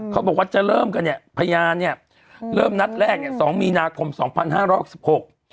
เขาบอกว่าจะเริ่มกันเนี่ยพยานเนี้ยเริ่มนัดแรกเนี้ยสองมีนาคมสองพันห้าร้อยหกสิบหก